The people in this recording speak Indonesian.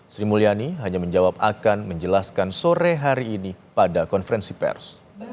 sri mulyani hanya menjawab akan menjelaskan sore hari ini pada konferensi pers